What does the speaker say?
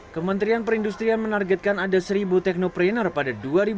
kementerian perindustrian menargetkan ada seribu teknoprener pada dua ribu dua puluh